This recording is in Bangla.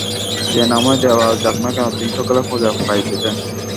যে নামই দেওয়া যাক না কেন, তিনি সকলের পূজা পাইতেছেন।